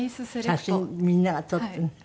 写真みんなが撮ってね。